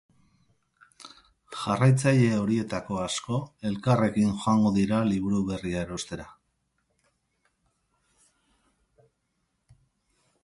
Jarraitzaile horietako asko elkarrekin joango dira liburu berria erostera.